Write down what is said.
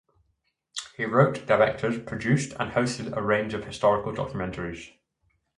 He wrote, directed, produced and hosted a range of historical documentaries.